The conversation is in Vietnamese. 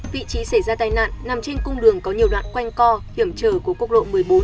vị trí xảy ra tai nạn nằm trên cung đường có nhiều đoạn quanh co hiểm trở của quốc lộ một mươi bốn